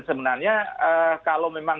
sebenarnya kalau memang